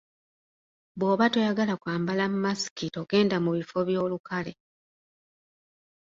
Bw'oba toyagala kwambala masiki togenda mu bifo by'olukale.